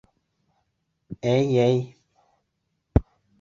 Әй-әй!